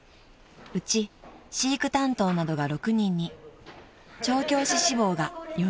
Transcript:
［うち飼育担当などが６人に調教師志望が４人］